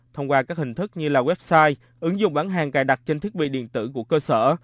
thông qua các hình thức như là website ứng dụng bán hàng cài đặt trên thiết bị điện tử của cơ sở